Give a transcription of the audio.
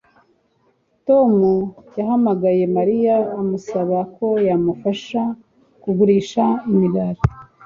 Tom yahamagaye Mariya amusaba ko yamufasha kugurisha imigati